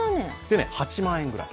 ８万円ぐらい。